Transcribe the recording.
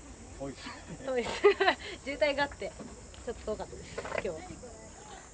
渋滞があってちょっと遠かったです今日は。